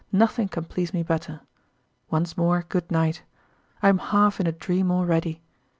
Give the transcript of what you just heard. Nothing can please me better. Once more good night. I am half in a dream already.